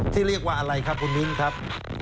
ที่เรียกว่าอะไรครับ